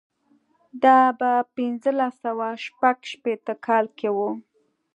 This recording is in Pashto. دا په پنځلس سوه شپږ شپېته کال کې و.